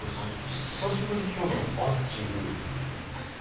久しぶりに聞きましたもんバッチグー。